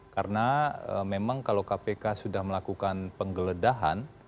karena memang kalau kpk sudah melakukan penggeledahan